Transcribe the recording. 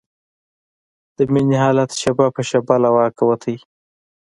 د مينې حالت شېبه په شېبه له واکه وته.